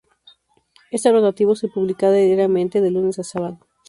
Este rotativo se publicaba diariamente de lunes a sábado.